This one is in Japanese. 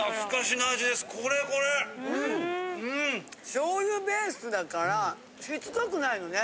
醤油ベースだからしつこくないのね。